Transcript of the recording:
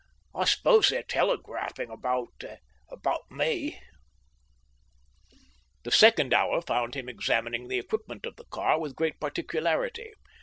"I suppose they're telegraphing about, about me."... The second hour found him examining the equipment of the car with great particularity.